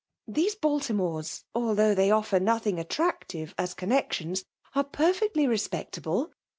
These Baltimords, although they offer nothing attractive as conn itca^ions, arc perfectly respectable.